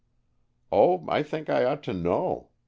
"Oh, I think I ought to know.